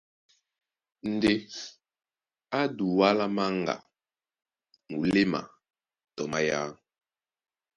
Ndé ǎ Dualá Manga, muléma tɔ mayǎ.